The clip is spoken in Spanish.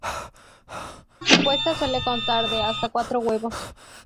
Su puesta suele constar de hasta cuatro huevos.